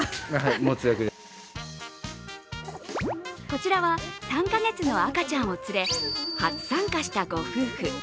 こちらは、３か月の赤ちゃんを連れ初参加したご夫婦。